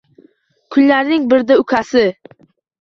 Kunlarning birida ukasi